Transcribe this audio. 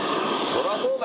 そりゃそうだ。